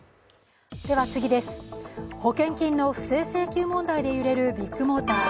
保険金の不正請求問題で揺れるビッグモーター。